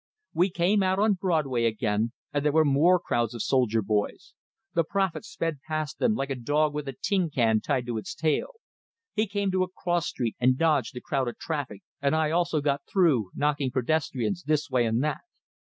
We came out on Broadway again, and there were more crowds of soldier boys; the prophet sped past them, like a dog with a tin can tied to its tail. He came to a cross street, and dodged the crowded traffic, and I also got through, knocking pedestrians this way and that.